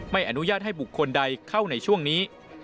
ไม่อนุญาตให้บุคคลใดเข้าในช่วงนี้